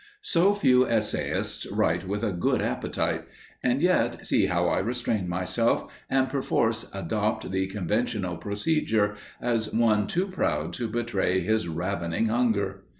So few essayists write with a good appetite! And yet, see how I restrain myself, and perforce adopt the conventional procedure, as one too proud to betray his ravening hunger!